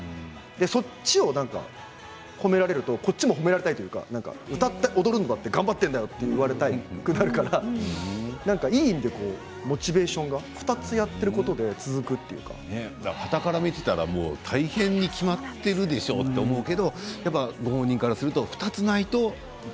そっちを褒められるとこっちも褒められたい歌って踊るのも頑張っているんだって言いたくなるからいい意味で２つやっていることではたから見たら大変に決まってるでしょう？と思うんですけどご本人からすると２つないと。